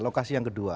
lokasi yang kedua